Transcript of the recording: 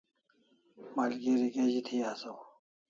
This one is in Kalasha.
Malgeri gezi thi asaw